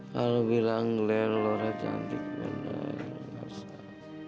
kalo bilang glen lora cantik bener enggak usah